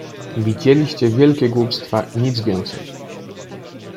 "Widzieliście wielkie głupstwa i nic więcej."